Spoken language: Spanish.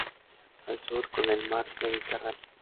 Al sur, con el mar Mediterráneo.